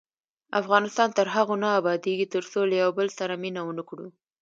افغانستان تر هغو نه ابادیږي، ترڅو له یو بل سره مینه ونه کړو.